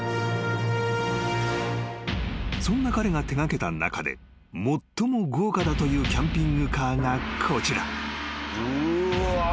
［そんな彼が手掛けた中で最も豪華だというキャンピングカーがこちら］